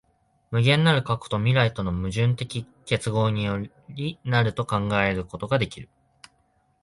無限なる過去と未来との矛盾的結合より成ると考えることができる。